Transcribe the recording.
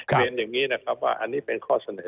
เรียนอย่างนี้นะครับว่าอันนี้เป็นข้อเสนอ